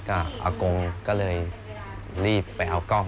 อากงก็เลยรีบไปเอากล้อง